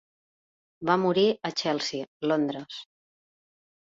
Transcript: Va morir a Chelsea, Londres.